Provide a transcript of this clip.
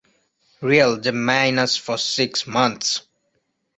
Real de Minas for six months.